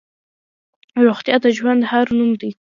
روغتیا د ژوند هر نوم دی.